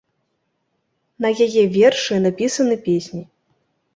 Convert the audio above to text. На яе вершы напісаны песні.